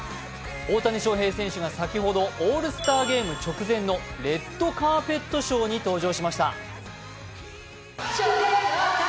大谷翔平選手が先ほどオールスターゲーム直前のレッドカーペットショーに登場しました。